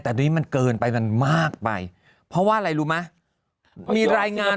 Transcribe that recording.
แต่นี่มันเกินไปมันมากไปเพราะว่าอะไรรู้ไหมมีรายงาน